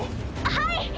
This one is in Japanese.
はい！